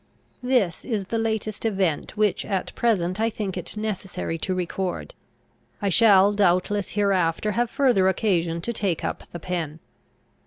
This is the latest event which at present I think it necessary to record. I shall doubtless hereafter have further occasion to take up the pen.